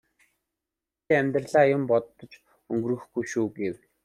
би амьдралаа юм бодож өнгөрөөхгүй шүү гэв.